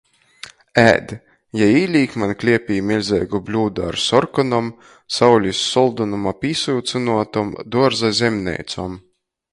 Ēd! jei īlīk maņ kliepī miļzeigu bļūdu ar sorkonom, saulis soldonuma pīsyucynuotom duorza zemneicom.